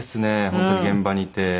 本当に現場にいて。